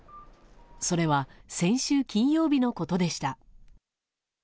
それは、先週金曜日のことでした。